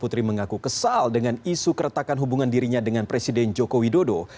putri mengaku kesal dengan isu keretakan hubungan dirinya dengan presiden joko widodo